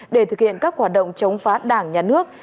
để thực hiện các hoạt động chống phá đảng nhà nước